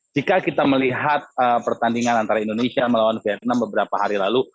jika kita melihat pertandingan antara indonesia melawan vietnam beberapa hari lalu